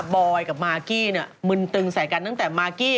บอยกับมากกี้เนี่ยมึนตึงใส่กันตั้งแต่มากกี้